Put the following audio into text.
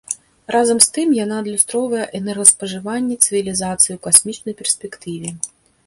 Разам з тым, яна адлюстроўвае энергаспажыванне цывілізацыі ў касмічнай перспектыве.